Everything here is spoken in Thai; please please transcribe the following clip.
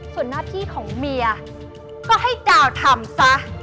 ส่วนหน้าที่ของเมียก็ให้กาวทำซะ